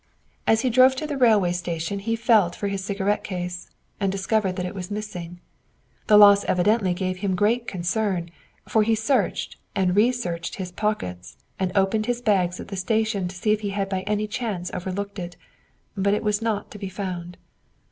As he drove to the railway station he felt for his cigarette case, and discovered that it was missing. The loss evidently gave him great concern, for he searched and researched his pockets and opened his bags at the station to see if he had by any chance overlooked it, but it was not to be found.